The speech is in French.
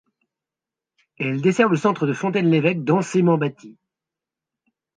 Elle dessert le centre de Fontaine-l'Évêque densément bâti.